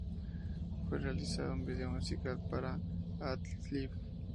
Fue realizado un vídeo musical para "Alt Liv".